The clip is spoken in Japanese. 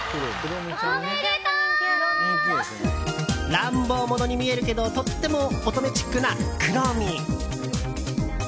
乱暴者に見えるけどとっても乙女チックなクロミ！